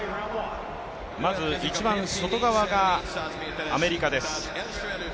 まず一番外側がアメリカです。